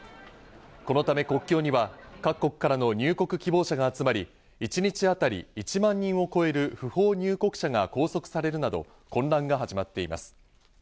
このため、国境には各国からの入国希望者が集まり、一日当たり１万人を超える不法入国者が拘束されるなど、混乱が始まっています。